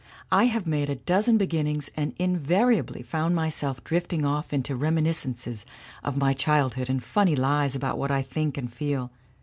I have made a dozen beginnings and invariably found myself drifting off into reminiscences of my childhood and funny lies about what 1 think and feel.